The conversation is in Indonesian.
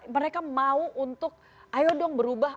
mereka mau untuk ayo dong berubah